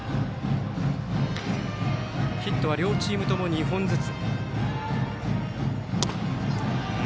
ヒットは両チームとも２本ずつ。